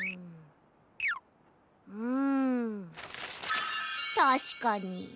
うんたしかに。